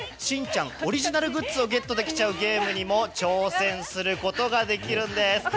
ちゃんオリジナルグッズをゲットできちゃうゲームにも挑戦することができるんです。